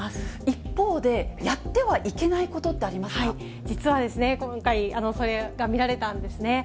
一方で、やってはいけないこ実はですね、今回、それが見られたんですね。